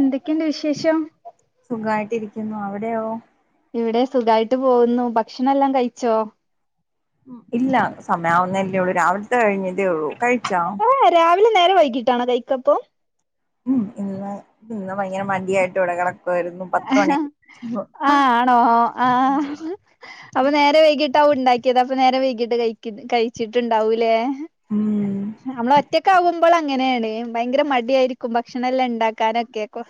എന്തൊക്കെയുണ്ട് വിശേഷം സുഖമായിട്ടിരിക്കുന്നു അവിടെയോ? ഇവിടെ സുഖായിട്ട് പോകുന്നു ഭക്ഷണം എല്ലാം കഴിച്ചോ? ഉ ഇല്ല സമയവുന്നല്ലേ ഉള്ളൂ രാവിലത്തെ കഴിഞ്ഞല്ലേ ഉള്ളൂ കഴിച്ചോ? നേരം വൈകിട്ടാണ് കൈിക്കപ്പോ? ഉം ഇന്ന് ഇന്ന് ഭയങ്കര മടിയായിട്ട് ഇവിടെ കണ- ആ ആണോ ആഹ അപ്പൊ നേരെ വൈകിട്ട്- ട്ടാവും ഉണ്ടാക്കിയത് അപ്പൊ നേരെ വൈകിട്ട് കഴ കഴിച്ചിട്ടുണ്ടാവൂല്ലേ? ഉം നമ്മൾ ഒറ്റക്കാവുമ്പോൾ അങ്ങനെന്ന് ഏ ഭയങ്കര മടിയായിരിക്കും ഭക്ഷണെല്ലാം ണ്ടാക്കാനൊക്കെ, കൊ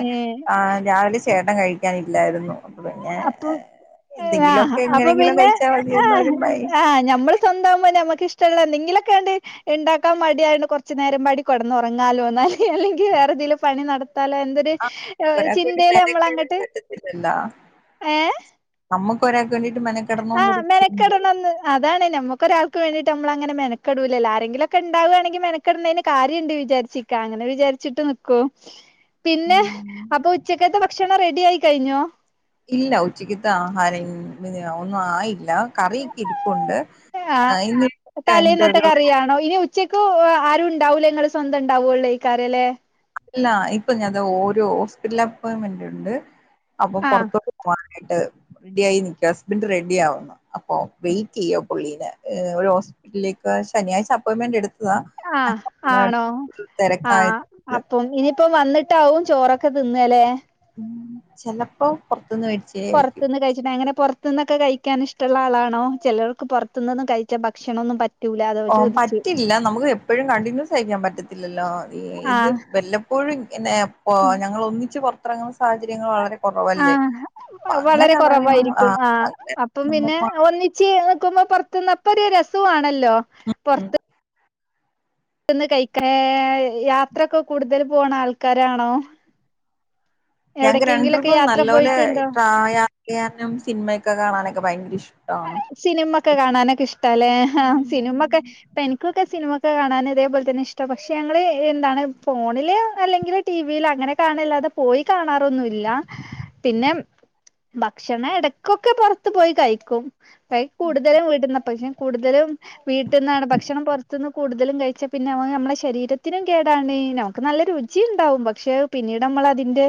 ഏ ആ ഞാന് ചേട്ടൻ കഴിയ്ക്കാനില്ലായിരുന്നു. അപ്പ പിന്നെ, ആ എന്തെങ്കിലുമൊക്കെ അപ്പൊ എങ്ങനെങ്കിലും പിന്നെ കഴിച്ചാൽ ആഹ് മതിയെന്നോരും ആ ഭയച്ച് ഞമ്മള് സൊന്താവുമ്പോന്നെമ്മ ഇഷ്ടള്ള എന്തെങ്കിലൊക്കാണ്ട് ഇണ്ടാക്കാൻ മടിയായോണ്ട് കൊർച്ച് നേരംപാടികട്ന്നൊറങ്ങാലോ, എന്നാല് അല്ലെങ്കി വേറെന്തെലും പണി നടത്താലോ എന്തൊരു ആഹ് ഒ ഒരാൾക്ക് വേണ്ടി ചിന്തേല് മ്മളങ്ങട്ട് അമ്മുക്ക് ആഹ് മെനക്കടണന്ന്, അതാണ് നമ്മക്കൊരാൾക്ക് വേണ്ടിട്ട് അ നമ്മളങ്ങനെ മെനക്കെടൂലല്ലോ? ആരെങ്കിലൊക്കെ ഇണ്ടാവാണെങ്കിൽ മെനക്കെട്ന്നതിന് കാര്യണ്ട് വിചാരിച്ചിക്കാ. അങ്ങനെ വിചാരിച്ചിട്ട് നിക് ക്കു. പിന്നെ ഉം അപ്പൊ ഉച്ചക്കത്തെ ഭക്ഷണം റെഡി ആയിക്കഴിഞ്ഞോ? ഇല്ല ഉച്ചക്ക്ത്തെ ആഹാരം ഇന്നിനി ഒന്നും ആയില് ല്ല. കറിയൊക്കെ ഇരിപ്പുണ്ട്. ആഹ് ഇന്ന് [inaudible] കഴിഞ്ഞിട്ടൊരു ച്ചക്ക് ആരു ഇണ്ടാവൂല്ല നിങ്ങള് സ്വന്തം ഇണ്ടാവൂള്ളേക്കാരല്ലേ? ഇല്ല ഇപ്പ ഞാൻ ദാ ഓരു ഹോസ്പിറ്റലപ്പോയിൻമെന്റുണ്ട്. അപ്പൊ ആഹ് പൊറത്തോട്ട് പോവാ നായിട്ട് റെഡി ആയി നിക്കാ. ഹസ്ബൻഡ് റെഡി ആവുന്നു. അപ്പോ വെയിറ്റ് ചെയ്യാ പുള്ളീനെ. ഈഹ് ഹോസ് ലേക്ക് ശനിയാഴ്ച അപ്പോയിൻമെന്റ് എട്ത് ആഹ് ആണോ? തിരക്കായത് ആഹ് അപ്പം ഇനി ഇപ്പം വന്നിട്ടാവും ചോറൊക്കെ തിന്നാ അല്ലേ? ഉം ചെലപ്പോ പൊറത് പൊറത്ത്ന്ന് കഴിച്ചിട്ടങ്ങനെ പൊറത് ത്ത്ന്നൊക്കെ കഴിക്കാൻ ഇഷ്ടള്ള ആളാണോ? ചെലർക്ക് പൊറത്ത്ന്നൊന്നും കഴിച്ചാ ഭക്ഷണൊന്നും പറ്റ് ഓ പറ്റില്ല. നമുക്ക് എപ്പഴും കണ്ടിന്യൂസ് കഴിക്കാൻ പറ്റത്തില്ലല്ലോ? ഇത് ആഹ് വല്ലപ്പോഴും പിന്നെ ഇപ്പ ഞങ്ങൾ ഒന്നിച്ച് പൊറത്തിറങ്ങുന്ന സാഹചര്യങ്ങൾ വളരെ കൊറവല്ലേ. ആഹ് വളരെ കൊറവായിരിക്കും. ആ അപ്പം പിന്നെ നമ്മ ഒന്നിച്ച് നിക്കുമ്പോ പൊറത്ത്ന്ന് അപ്പൊ ഒരു രസ സൊ ആണല്ലോ ഉം പൊറത്ത് ത്ത്ന്ന് കഴിക്കാ ഏഹ് യാത്രയൊക്കെ കൂടുതല് പോണ ആൾക്കാരാണോ? ഞങ്ങക്ക് എവിടക്കെങ്കിലൊക്കെ രണ്ടർക്കും യാത്ര നല്ല പോലെ പോയിട്ടുണ്ടോ? ട്രാ യാത്ര ചെയ്യാനും സിനിമയൊക്കെ കാണാനൊക്കെ ഭയങ്കര ഇഷ് സിനിമ ഒക്കെ കാണാനൊക്കെ ഇഷ്ടാ അല്ലേ? ഉം സിനിമൊക്കെ ഇപ്പെനിക്കൊക്കെ സിനിമ കാണാൻ ഇതേപോലെ തന്നെ ഇഷ്ടാ. പക്ഷെ ഞങ്ങള് എന്താണ് ഫോണില് അല്ലെങ്കില് ടീ വീല്. അങ്ങനെ കാണല്ലാതെ പോയി കാണാറൊന്നുല്ല. പിന്നെ ഭക്ഷണ എടക്കൊക്കെ പൊറത്ത് പോയി കയിക് ക്കും. അയ് കൂടുതലും വീട്ട്ന്നാ. പക്ഷെ കൂടുതലും വീട്ടിന്നാണ്. ഭക്ഷണം പൊറത്ത്ന്ന് കൂടുതലും കഴിച്ചാ പിന്നെ അത് നമ്മളെ ശരീരത്തിനും കേടാണ്. ഞാക്ക് നല്ല രുചീണ്ടാവും പക്ഷേ പിന്നീടങ്‌ മ്മളതിന്റെ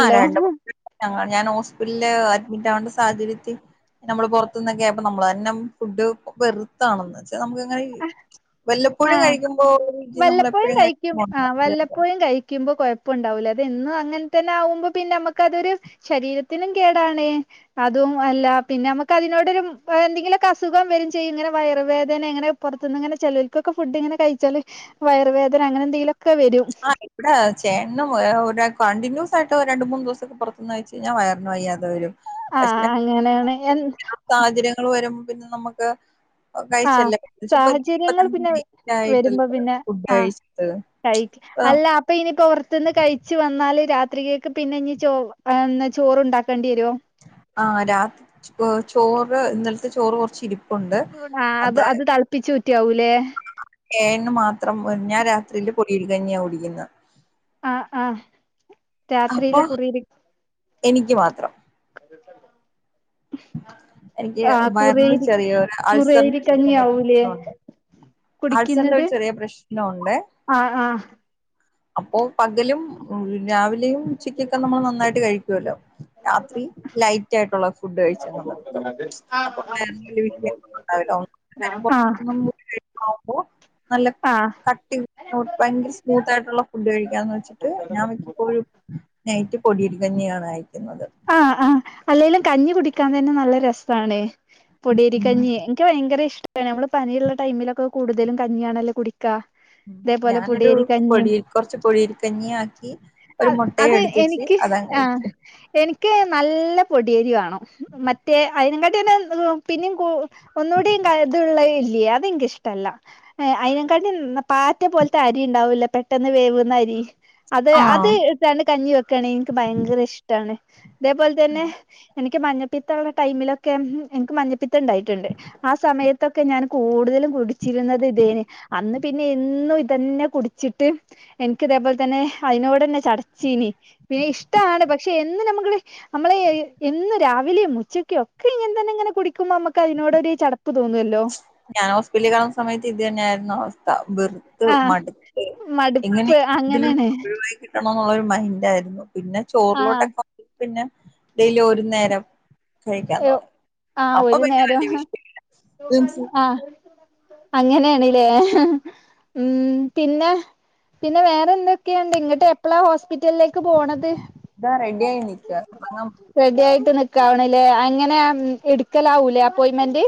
ആ രണ്ട് [inaudible] ഞാന് ഹോസ്പിറ്റലില് അഡ്മിറ്റ് ആവണ്ട സ് സാഹചര്യത്തി നമ്മള് പൊറത്തൂന്നൊക്കെ ആയപ്പോ നമ്മള് തന്നം ഫുഡ്ഡ് വെറ്ത്താണന്ന്ച്ച് നമുക്ക് എങ്ങനെ ആഹ്. വല്ലപ്പോഴും എപ്പോഴും കഴിക്കും. കഴിക്കുമ്പോ ആ ഉണ്ടാവില്ലല്ലോ. വല്ലപ്പോഴും കഴിക്കുമ്പോ കൊഴപ്പണ്ടാവൂല അും അങ്ങനെ തന്നെ ആവുമ്പോ പിന്നെ നമുക്ക് അതരു ശരീരത്തിനും കേടാണ് അതും അല്ല പിന്നെ നമ്ക്കതിനോടൊരു എന്തെങ്കിലൊക്കെ അസുഖം വരും ചെയ്യും ഇങ്ങനെ വയറ് വേദന അങ്ങനെ പൊറത്തൂന്ന് ഇങ്ങനെ ചേലോർക്കൊക്കെ ഫുഡ്ഡിങ്ങനെ കഴിച്ചാല് വയറ് വേദന അങ്ങനെന്തങ്കിലൊ ആ ഇവിടെ ചേട്ടനും വേറെ ഒരാക്ക് കണ്ടിന്യൂസായിട്ട് രണ്ട് മൂന്ന് ദിവസൊക്കെ പൊറത്തൂന്ന് കയിച്ചയിഞ്ഞാ വയറിന് വയ്യാതെ വരും. ആഹ് പക്ഷെ അങ്ങനെയാണ് എ സാഹചര്യങ്ങൾ വരുമ്പോ പിന്നെ നമക്ക് ആഹ് കഴിച്ചല്ലേ സാഹചര്യങ്ങൾ പറ്റു. [inaudible] പിന്നെ മെയിനായിട്ടുള്ള ഫുഡ്ഡ് കഴിച്ചിട്ട് കഴിക്ക്. അല്ല അപ്പൊ ഈന് പൊറത്ത്ന്ന് കഴിച്ച് വന്നാല് രാത്രിക്കേക്ക് പിന്നെ ഇനി ചോ ഈഹ് ചോറ്ണ്ടാക്കേണ്ടി വര്വോ? ആഹ് രാത്രി ചോ ചോറ് ഇന്നൽത്തെ ചോറ് കൊറച്ച് ഇരിപ് ണാ അത് അത് തെളപ്പിച്ചൂറ്റാവൂല്ലേ? ഏഴന് മാത്രം. ഞാൻ രാത്രിയില് പൊടിയരി കഞ്ഞിയാ കുടിക്ക്ന്നെ. ആ ആ അപ്പൊ രാത്രിയില് കുറിയരി എനിക്ക് മാത്രം. അ എനിക്ക് ആ വയറിനൊരു കുറിയരി ചെറിയൊരു കുറിയരി അൾസറിന്റെ ഒരു ചെറിയ കഞ്ഞിയാവൂലേ? പ്രശ്നമുണ്ട് അൾസറിന്റെ കുടിക്ക്ന്നത്? ഒരു ചെറിയ പ്രശ്നമുണ്ട് ആ ആഹ് അപ്പോ പകലും രാവിലെയും ഉച്ചക്കൊക്കെ നമ്മള് നന്നായിട്ട് കഴിക്കുവല്ലോ? രാത്രി ലൈറ്റ യിട്ടുള്ള ഫുഡ്ഡ് കഴിച്ചങ്ങ് കെടക്കും. അപ്പൊ [unintelligible] [unintelligible] ആഹ് ആഹ് ഭയങ്കര സ്മൂത്തായിട്ടുള്ള. കഴിക്കാന്ന്‌ വെച്ചിട്ട് ഞാമിക്കപ്പോഴും നൈറ്റ് പൊടിയരികഞ്ഞിയാണ് അയക്കുന്നത്. ആ ആ അല്ലെലും കഞ്ഞി കുടിക്കാൻ തന്നെ നല്ല രസാണ്. ഉം പൊടയരിക്കഞ്ഞി ൻക്ക് ഭയങ്കര ഇഷ്ടാണ് നമ്മള് പനിയുള്ള ടൈമിലൊക്കെ കൂടുതലും കഞ്ഞിയാണല്ലേ കുടി ഉം ഞാനൊരു പൊടിയിൽ കൊറച്ച് പൊടിയരി കഞ്ഞി ആക്കി ഒരു മുട്ടയും അത് എടുത്ത് വെച്ച് എനിക്ക് അതങ്ങ് ആ കഴിക്കും എനിക്ക് നല്ല പൊടിയേരി വേണം മറ്റേ അയിനെകാട്ടി തന്നെ പിന്നിം കൂ ഒന്നുടി ക ഇത്ള്ള ല്ലേ അത് ഇൻക്ക്ഷ്ടല്ല അയിനകാട്ടിം പാറ്റ പോൽത്തെ അരിണ്ടാവുലെ പെട്ടെന്ന് വേവ്ന്ന അരി. ആ ട്ടാണ് കഞ്ഞി വെക്കാണ് ഇൻക്ക് ഭയങ്കര ഇഷ്ടാണ് ഇതേപോൽതന്നെ എനിക്ക് മഞ്ഞപ്പിത്തള്ള ടൈമിലൊക്കെ എനിക്ക് മഞ്ഞപ്പിത്തംണ്ടായിട്ടുണ്ട് ആ സമയത്തൊക്കെ ഞാൻ കൂടുതലും കുടിച്ചിരുന്നത് ഇതേനി അന്ന് പിന്നെ എന്നും ഇതന്നെ കുടിച്ചിട്ട് എനിക്ക് ഇതേപോൽതന്നെ അയിനോടെന്നെ ചടച്ചീനി പിന്നെ ഇഷ്ടാണ് പക്ഷെ എന്നു നമു ക്ക് നമ്മളെ എന്നും രാവിലിംഉച്ചക്കൊക്കെ ഇങ്ങൻതന്നെ ഇങ്ങനെ കുടിക്കുമ്പോ മ്മക്ക് അയിനോടൊരു ചട പ്പ്‌ തോന്നുവല്ലോ പിള്ളികാം സമയത്ത് ഇതന്നെയായിരുന്നു അവസ് ത വെറ്ത്ത് ആഹ് മട്ത്ത് മടുപ്പ് എങ്ങനെയെങ്കിലും അങ്ങനെയാണ് [unintelligible] കണംന്നുള്ളൊരു മൈൻഡാആയിരുന്നു പിന്നെ ആഹ് ചോറിലോട്ടൊക്കെ പിന്നെ ഡെയിലി ഒരു നേരം കഴിക്കാതോന്നും ആഹ് അപ്പൊ ഒരു പിന്നെ നേരം വല്യ വിഷയല്ല അങ്ങനേണ്ലേ ഉം പിന്നെ പിന്നെ വേറെ എന്തൊക്കെയുണ്ട് ഇങ്ങിട്ട് എപ്പളാ ഹോസ്പിറ്റലിലേക്ക് പോണത് ഇതാ റെഡി ആയി നിക്ക ഇറ ക്കാണ്ലേ അങ്ങനെ ഇട്ക്കലാവുലെ അപ്പോയിമെന്റ്.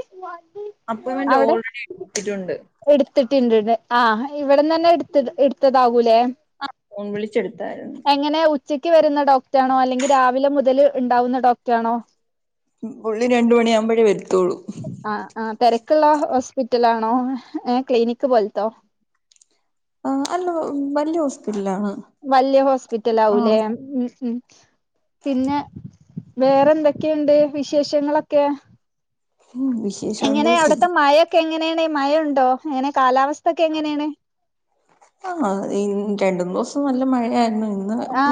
അപ്പോയിൻമെന്റ് അവിടെ ഓൾറെഡി എടുത്തിട്ടുണ്ട് എടുത്തിട്ട്ണ്ട് ലെ ആ ഇവിടന്ന്ന്നെ ഇട്ത് ഇടത്തതാവുലെ അ ഫോൺ വിളിച്ചെടുത്ത എങ്ങനെ ഉച്ചക്ക് വരുന്ന ഡോക്റ്റാണോ അല്ലെങ്കി രാവിലെ മുതല് ഇണ്ടാവുന്ന ഡോക്റ്റാണോ പുള്ളി രണ്ട് മണിയാവുമ്പഴേ വരത്തുള്ളൂ. ആ ആ തിരക്കുള്ള ഹോസ്പിറ്റലാണോ ഏ ക്ലിനിക് പോൽത്തോ ആ അല്ല വല്യ ഹോസ്പിറ്റലാണ് വല്യ ആ ഹോസ്പിറ്റലാവുലെ ഉ ഉ പിന്നെ വേറെ എന്തൊക്കെയുണ്ട് വിശേഷങ്ങളൊക്കെ വിശേഷം എങ്ങനെ എന്താ അവിടത്തെ ഫുഡ് മയക്കെ എങ്ങനേണ് മയണ്ടോ എങ്ങനെ കാലാവസ് ആ രണ്ട്ന്നോസം നല്ല മഴയായി ആ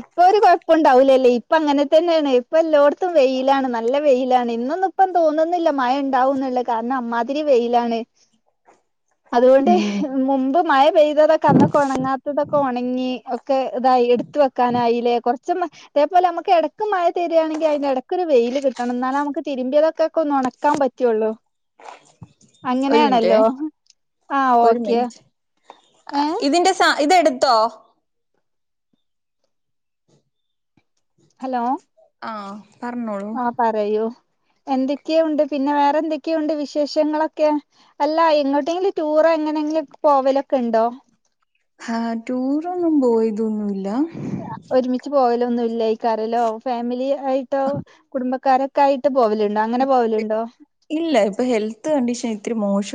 ഇപ്പൊ ഒരു കൊ പ്പഉണ്ടാവലല്ലേ ഇപ്പ അങ്ങനെ തന്നെയാണ് ഇപ്പ എല്ലോട്ത്തും വെയിലാണ് നല്ല വെയിലാണ് ഇന്നൊന്നും ഇപ്പം തോന്നുന്നി ല്ല മഴ ഇണ്ടാവുന്നുള്ള കാരണം അമ്മാതിരി വെയിലാണ്. അതുകൊണ്ട് ഉം മുമ്പ് മഴ പെയ്തതൊക്കെ അന്നൊക്കെ ഒണങ്ങാത്തതൊ ഒണങ്ങി ഒക്കെ ഇതായി ഇട്ത്ത് വെക്കാനായിലെ കുറച്ചൊന്ന് തേപോലെ നമക്ക് ഇടക്ക് മഴ തരാ ണങ്കി അയിന്റെ എടക്കൊരു വെയില് കിട്ടണം ന്നാലമുക്ക് തിരുമ്പിയതൊക്കെ ഒന്ന് ഒണക്കാൻ പറ്റുള്ളൂ. ഒരു മിനിറ്റേ അങ്ങനെയാണല്ലോ ആ ഒരു ഓക്കെ മിനിറ്റ് ഏ ഇതിന്റെ സാ ഇതെടുത്തോ ഹലോ ആ ആ പറയൂ എന്തൊക്കെ ഉണ്ട്. പിന്നെ വേറെ എന്തൊക്കെയുണ്ട് വിശേഷങ്ങളൊക്കെ അല്ല എങ്ങോട്ടെങ്കിലും ടൂറോ എങ്ങനെയെങ്കിലും പോവലൊ ക്കണ്ടോ ഹ ടൂറൊന്നും പോയതൊന്നുല്ല ഒരുമിച്ച് പോയലോ [unintelligible] ഒന്നും ഇല്ലായി കറല്ലോ ഫാമിലി ആയിട്ടോ കുടുംബക്കാരൊ. കയിട്ട് പോവലുണ്ടോ അങ്ങനെ പോവലുണ്ടോ? ഇല്ല ഇപ്പൊ ഹെൽത്ത് കണ്ടീഷൻ ഇത്തിരി മോശം.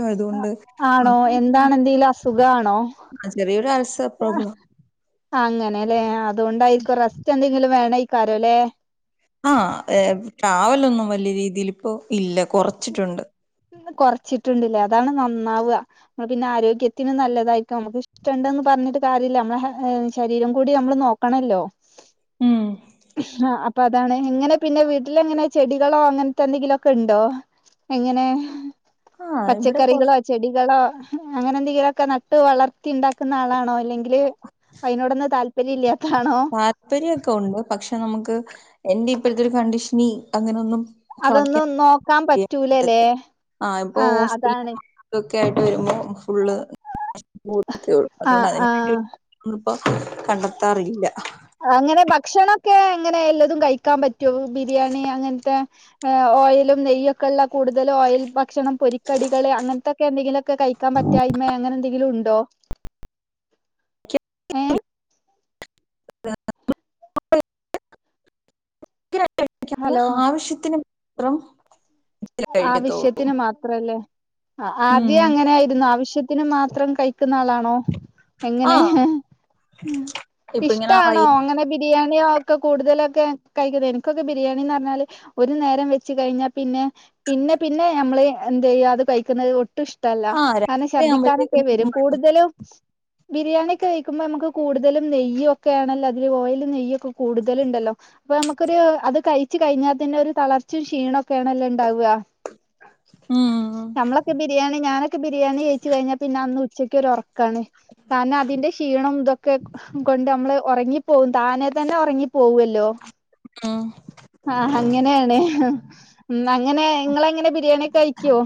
ആണോ എന്താണ് എന്തെങ്കിലും അസുഖാണോ? ആ ചെറിയ ഒരു അൾസർ പ്രോബ്ലം. അങ്ങനെല്ലെ അതൊണ്ടായിരിക്കും റസ്റ്റ് എന്തെങ്കിലും വേണം കാരല്ലേ? ആ ട്രാവൽ ഒന്നും വലിയ രീതിൽ ഇപ്പോ ഇല്ല കുറച്ചിട്ടുണ്ട്. കുറച്ചിട്ടുണ്ട്ല്ലേ? അതാണ് നന്നാവാ നമ്മൾ പിന്നെ ആരോഗ്യത്തിന് നല്ലതായിരിക്കും നമുക്ക് ഇഷ്ടുണ്ടന്ന് പറ പറഞ്ഞിട്ട് കാര്യല്ല നമ്മളെ ശരീരം കൂടി നമ്മൾ നോക്കണല്ലോ. ഉം ആ അപ്പൊ അതാണ് എങ്ങനെ പിന്നെ വീട്ടില് എങ്ങനെ ചെടികളോ. അങ്ങനത്തെ എന്തെങ്കിലും ഒക്കെ ഉണ്ടോ എങ്ങനെ. ആഹ് ഇവിടെ കൊറ പച്ചക്കറികളോ ചെടികളോ? അങ്ങനെ എന്തെങ്കിലും ഒക്കെ നട്ടു വളർത്തി ഉണ്ടാക്കുന്ന ആളാണോ അല്ലെങ്കിൽ അതിനോടൊന്ന് താല്പര്യയില്ലാ. താൽപര്യോക്ക ഉണ്ട് പക്ഷെ നമ്മക്ക് എൻ്റെ ഇപ്പൾതെരു കണ്ടീഷന് അങ്ങനൊന്നും കളിക്കാൻ അതൊന്നും നോക്കാൻ പറ്റൂലല്ലേ? ആഹ് ഇപ്പൊ ആ ഹോസ്പിറ്റല അതാണ് [unintelligible] ഒക്കെ ആയിട്ട് വരുമ്പോ ഫുള്ള്. ആ അതുകൊണ്ട് ആ അതിനന് [unintelligible] വേണ്ടിട്ട ഇപ്പോ കണ്ടെത്താറില്ല. അങ്ങനെ ഭക്ഷണൊക്കെ എങ്ങനെ എല്ലതും കഴിക്കാൻ പറ്റോ ബിരിയാണി അങ്ങനത്തെ. ഓയിലും നെയ്യൊക്കെള്ള കൂടുതൽ ഓയിൽ ഭക്ഷണം പൊരിക്കടികള് അങ്ങനത്തൊക്കെ എന്തെങ്കിലും. കഴിക്കാൻ പറ്റായ്മ അങ്ങനെ എന്തെങ്കിലും ഉണ്ടോ ഏ. ആ. [unintelligible] ഹലോ ആവശ്യത്തിന് മാത്രം. [unintelligible] കഴിക്കത്തുള്ളൂ. ആവത്തിശ്യന് മാത്രല്ലേ? ആ ഉം ആദ്യം അങ്ങനെ ആയിരുന്നു ആവശ്യത്തിന് മാത്രം കഴിക്കുന്ന ആളാണോ? ആ എങ്ങനെ ഹ് ഇപ്പൊ ഇങ്ങനെ വൈ ഇഷ്ടാണോ? അങ്ങനെ ബിരിയാണി. [unintelligible] ബിരിയാണി ഒക്കെ കൂടുതലൊക്കെ കഴിക്കുന്നത് എനിക്കൊക്കെ ബിരിയാണിന്ന് പറഞ്ഞാൽ ഒരു നേരം വെച്ച് കഴിഞ്ഞാൽ പിന്നെ. പിന്നെ പിന്നെ നമ്മള് എന്തയാ കഴിക്കുന്നത് ഒ. ഒട്ടും ഇഷ്ടല്ല ആ കാരണം രാത്രി ഛർദ്ദിക്കാനൊക്കെ ആവുമ്പോഴത്തേക്കും വരും കൂടുതലും. ബിരിയാണി ഒക്കെ കഴിക്കുമ്പോ നമുക്ക് കൂടുതലും നെയ്യും ഒക്കെ ആണല്ലോ അതിൽ ഓയിൽ നെയ്യും ഒക്കെ കൂടുതൽ ഉണ്ടല്ലോ? അപ്പൊ നമുക്കൊരു അത് കഴിച്ചു കഴിഞ്ഞാൽ തന്നെ ഒരു തളർച്ചീം ക്ഷീണൊക്കെണ്. ഉണ്ടാവാ ഉം നമ്മളൊക്കെ ബിരിണ. ബരിയാണി കഴിച്ച് കഴിഞ്ഞാ പിന്നെ അന്ന് ഉച്ചക്ക് ഒരു. കാരണം അതിന്റെ ക്ഷീണം ഇതൊക്കെ കൊണ്ട് നമ്മള് ഉറങ്ങി. പോകും താനെ തന്നെ ഉറങ്ങി പോവല്ലോ. ഉം ആഹ അങ്ങനെയണ്. അങ്ങനെ ങ്ങ്ള് എങ്ങനെ ബിരിയാണീ ഒക്കെ കഴിക്കോ?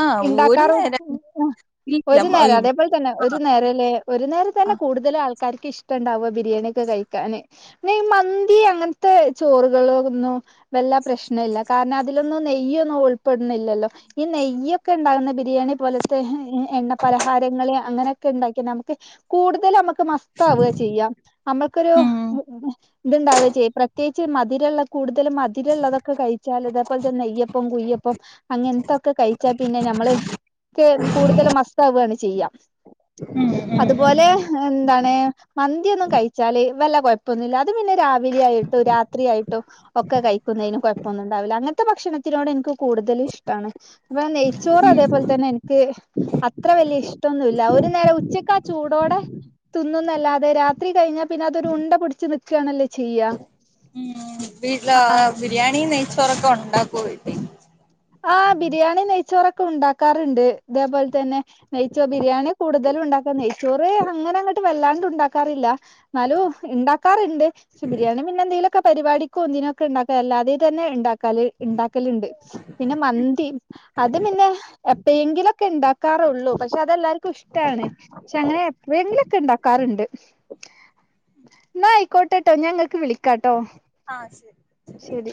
ആ ഒരു ഇണ്ടാക്കാറോ നേരം [unintelligible] ഇല്ല. ഒരു ആ നേരം ഇവ- അതേപോലെ തന്നെ ആ, ഒരു നേരല്ലേ ഒരു നേരം ആ. തന്നെ കൂടുതൽ ആൾക്കാ ആൾക്കാർക്ക് ഇഷ്ടണ്ടാവ ബിരിയാണി ഒക്കെ കഴിക്കാന് പിന്നെ ഈ മന്തി അങ്ങനത്തെ ചോറുകളോന്നും. വല്ലാ പ്രശ്നയില്ല. പിന്നെ അതിലൊന്ന നെയ്യൊന്നും ഉൾപ്പെടുന്നില്ലല്ലോ ഈ നെയ്യൊക്കെ ഉണ്ടാകുന്ന ബിരിയാണി പോലത്തെ. പലഹാരങ്ങള് അങ്ങനെക്കെ ഉണ്ടാക്ക്യ നമുക്ക് കൂടുതൽ നമുക്ക്. മസ്താവാ ചെയ്യാ നമ്മൾക്കൊരു ഉം ഇത്ണ്ടാവാ ചെയ്യാ. പ്രത്യേകിച്ച് മധരുള്ള. കൂടുതലും മധുരമുള്ളതൊക്കെ കഴിച്ച ഇതേപോലത്തെ നെയ്യപ്പം കുയ്യപ്പം അങ്ങനത്തൊക്കെ കഴിച്ചാ പിന്നെ നമ്മള് കൂടുതൽ മസ്താവയാണ് ചെയ്യാം ഉം ഉം അതുപോലെ എന്താണ് പിന്നെ മന്തിയൊന്നും കഴിച്ചാല് വല്ല കുഴപ്പൊന്നുമില്ല അത് പിന്നെ രാവിലെ ആയിട്ടോ രാത്രിയായിട്ടോ ഒക്കെ കഴിക്കുന്നതിന് കുഴ കുഴപ്പമൊന്നും ഉണ്ടാവില്ല അങ്ങനത്തെ ഭക്ഷണത്തിനോട് എനിക്ക് കൂടുതല് ഇഷ്ടാണ്. അപ്പ നെയ്ച്ചോറ് ഉം ഉം അതേപോലെ തന്നെ എനിക്ക് അത്ര വല്യ ഇഷ്ട്ടോന്നുല്ല ഒരു നേരം ഉച്ചക്ക് ആ ചൂടോടെ തിന്നുന്നല്ലാതെ രാത്രി കഴിഞ്ഞാ പി ന്നെ അതൊരു ഉണ്ട പിടിച്ച് നിക്കാണല്ലേ ചെയ്യാ വീട്ടിലാ ബിരിയാണി നെയ്ച്ചോറൊക്കെ ഉണ്ടാക്കുവോ വീട്ടിൽ ആഹ് ബിരിയാണി നെയ്ച്ചോറൊക്കെ ഉണ്ടാക്കാറുണ്ട് ഇതേപോലെ തന്നെ നെയ്ച്ചോ ബിരിയാണി കൂടുതലും ഉണ്ടാക്ക നെയ്ച്ചോറ് അങ്ങനെ അങ്ങോട്ട് വല്ലാണ്ട് ഉണ്ടാക്കാറില്ല എന്നാലും ഇണ്ടാക്കാറുണ്ട് പിന്നെ എന്തെങ്കിലുമൊക്കെ പരിപാടിക്കോ എന്തിനുമൊക്കെ ഉണ്ടാക്ക അല്ലാതെ തന്നെ ഇണ്ടാക്കാല് ഇണ്ടാക്കലുണ്ട് പിന്നെ മന്തി അത് പിന്നെ എപ്പോയെങ്കിലും മൊക്കെ ഉണ്ടാക്കാറുള്ളൂ പക്ഷെ അതെല്ലാർക്കും ഇഷ്ടമാണ് പക്ഷെ അങ്ങനെ എപ്പഴങ്ങിലും ഒക്കെ ഇണ്ടാക്കാറുണ്ട് എന്നാ ആയിക്കോട്ടെട്ടോ ഞാൻ ഇങ്ങക്ക് വിളിക്കാട്ടോ ആ ശരി ശരി ശരി